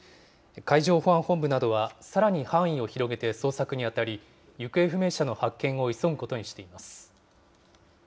海上保安本部などは、さらに範囲を広げて捜索に当たり、行方不明者の発見を急ぐことにしています。